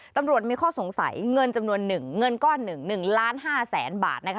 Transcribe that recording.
ตำรวจมีข้อสงสัยเงินจำนวน๑เงินก้อนหนึ่ง๑ล้าน๕แสนบาทนะคะ